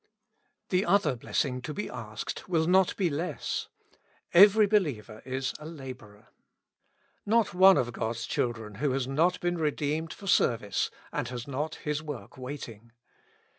The other blessing to be asked will not be less. Every believer is a laborer ; not one of God's children who has not been redeemed for service, and has not his work waiting.